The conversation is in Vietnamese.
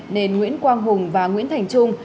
nên nguyễn quang hùng và nguyễn thành trung